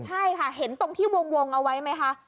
ใช่ค่ะเห็นตรงที่วงเอาไว้ไหมคะ